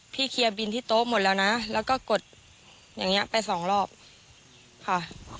เคลียร์บินที่โต๊ะหมดแล้วนะแล้วก็กดอย่างเงี้ยไปสองรอบค่ะ